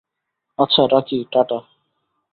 আচ্ছা, রাখি, টা টা।